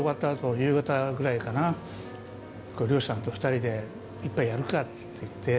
夕方ぐらいかなこう漁師さんと２人で一杯やるかっていって。